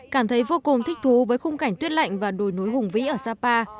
cảm thấy vô cùng thích thú với khung cảnh tuyết lạnh và đồi núi hùng vĩ ở sapa